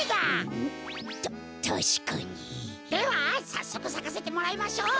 さっそくさかせてもらいましょう！